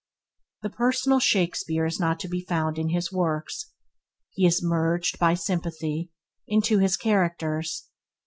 The personal Shakespeare is not to be found in his works; he is merged, by sympathy, into his characters.